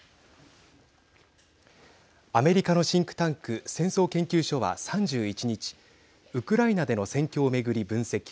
アメリカのシンクタンク戦争研究所は３１日ウクライナでの戦況を巡り分析。